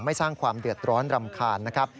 สร้างความเดือดร้อนรำคาญนะครับ